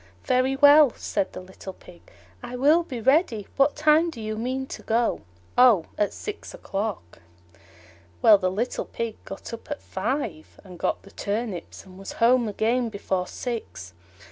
"Very well," said the little Pig, "I will be ready. What time do you mean to go?" "Oh, at six o'clock." Well, the little Pig got up at five, and got the turnips and was home again before six.